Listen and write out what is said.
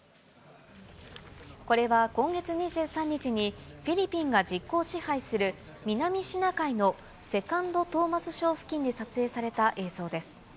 これは今月２３日に、フィリピンが実効支配する南シナ海のセカンド・トーマス礁付近で撮影された映像です。